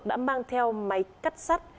đã mang theo máy cắt sắt